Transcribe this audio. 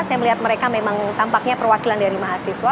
saya melihat mereka memang tampaknya perwakilan dari mahasiswa